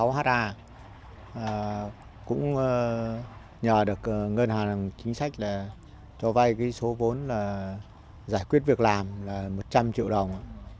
hai sáu ha cũng nhờ được ngân hàng chính sách cho vay cái số vốn giải quyết việc làm là một trăm linh triệu đồng